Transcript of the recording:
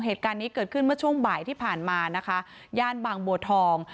เหตุการณ์นี้เกิดขึ้นเมื่อช่วงบ่ายที่ผ่านมานะคะย่านบางบัวทอง